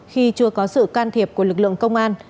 khi chưa có sự can thiệp của lực lượng công an